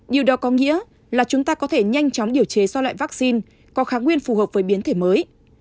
điều đó có nghĩa là chúng ta có thể nhanh chóng điều chế so với loại vắc xin có kháng nguyên phù hợp với biến thể mới